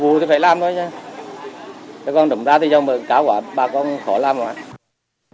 chứ con đụng ra thì cho mà cả quả ba con khỏi làm rồi